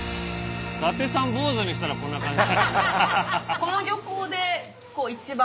伊達さん坊主にしたらこんな感じ。